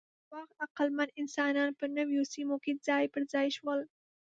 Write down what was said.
هغه وخت عقلمن انسانان په نویو سیمو کې ځای پر ځای شول.